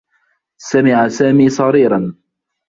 سمع سامي صريرا.